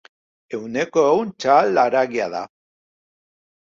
Ehuneko ehun txahal haragia da.